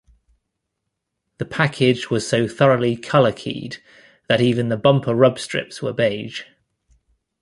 The package was so thoroughly color-keyed that even the bumper rub strips were beige.